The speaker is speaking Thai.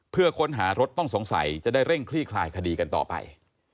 เพื่อค้นหารถต้องสงสัยจะได้เร่งคลี่คลายคดีกันต่อไป